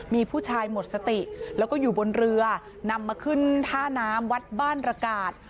มีผู้ชายหมดสติแล้วก็อยู่บนเรือนำมาขึ้นท่าน้ำวัดบ้านระกาศ